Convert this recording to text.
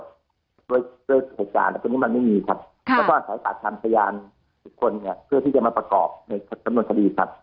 ครับแล้วก็ใช้ประถันสยานทุกคนเพื่อที่จะมาประกอบในจำนวน